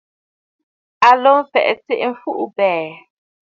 Aa lǒ fɛ̀ʼ̀ɛ̀ tsiʼi a mfuʼubɛ̀ɛ̀.